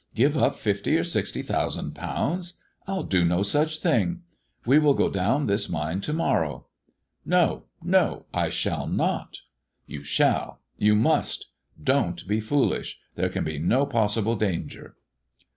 " Give up fifty or sixty thousand pounds I Til do lio such thing. We will go down this; mine to morrow." "No! No! I shall not I" THE DEAD MAN's DIAMONDS 207 " You shall ! You must ! Don*t be foolish : there can be no possible danger."